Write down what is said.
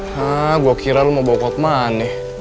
hah gue kira lo mau bawa kotman nih